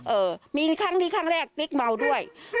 เอ่อมีครั้งนี้ครั้งแรกติ๊กเมาด้วย